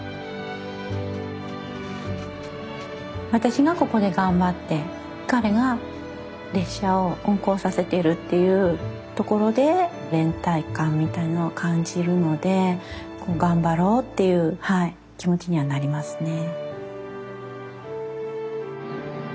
私がここで頑張って彼が列車を運行させているっていうところで連帯感みたいなのを感じるのでこう頑張ろうっていうはい気持ちにはなりますね。